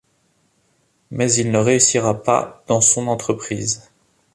Mais il ne réussira pas dans son entreprise.